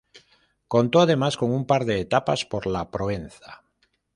Contó además con un par de etapas por la Provenza.